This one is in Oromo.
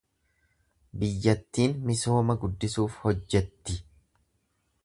Biyyattiin misooma guddisuuf hojjetti.